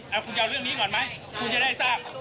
เอาคุณจะเอาเรื่องนี้ก่อนไหมคุณจะได้ทราบ